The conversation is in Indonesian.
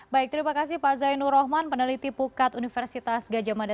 baik terima kasih pak zainur rohman peneliti pukat universitas gajah mada